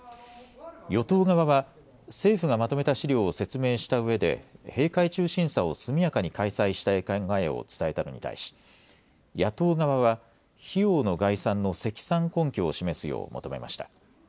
与党側は政府がまとめた資料を説明したうえで閉会中審査を速やかに開催したい考えを伝えたのに対し野党側は費用の概算の積算根拠を示すよう求めました。